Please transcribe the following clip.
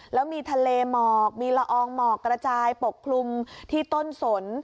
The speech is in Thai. แล้วมีทะเลหมอกมีละอองหมอกกระจายปกคลุมที่ต้นสน